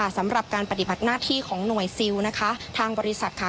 สำหรับการปฏิบัติหน้าที่ของหน่วยซิลนะคะทางบริษัทค่ะ